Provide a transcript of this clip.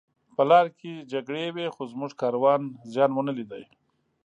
په لاره کې جګړې وې خو زموږ کاروان زیان ونه لید